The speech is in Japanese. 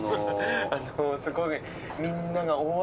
すごい。